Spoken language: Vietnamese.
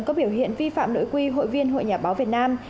có biểu hiện vi phạm nội quy hội viên hội nhà báo việt nam